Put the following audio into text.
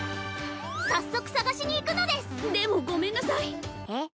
早速探しに行くのですでもごめんなさいえっ？